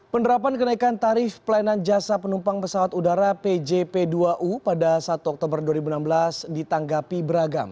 penerapan kenaikan tarif pelayanan jasa penumpang pesawat udara pjp dua u pada satu oktober dua ribu enam belas ditanggapi beragam